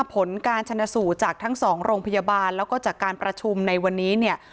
ผลการชนสูตรจากทั้งสองโรงพยาบาลแล้วก็จากการประชุมในวันนี้เนี่ย